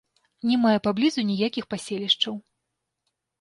Не мае паблізу ніякіх паселішчаў.